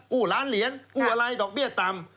ล้านเหรียญกู้อะไรดอกเบี้ยต่ำ